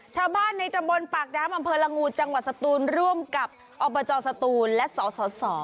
ชาวบ้านในตำบลปากน้ำอำเภอละงูจังหวัดสตูนร่วมกับอบจสตูนและสส